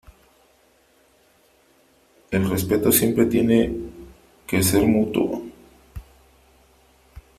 El respeto siempre tiene que ser mutuo.